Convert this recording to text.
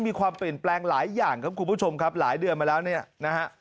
มีความเปลี่ยนแปลงหลายอย่างครับคุณผู้ชมครับหลายเดือนมาแล้วเนี่ยนะฮะ